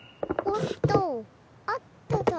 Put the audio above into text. おっとと！